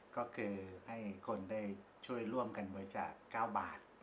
ก็คือให้คนได้ช่วยร่วมกันบริจาค๙บาท